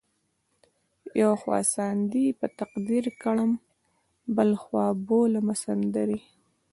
یو خوا ساندې په تقدیر کړم بل خوا بولمه سندرې